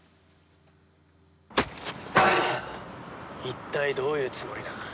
一体どういうつもりだ？